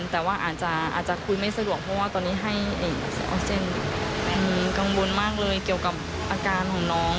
แต่ว่าอาจจะคุยไม่สะดวกเพราะว่าตอนนี้ให้ออกเจนกังวลมากเลยเกี่ยวกับอาการของน้อง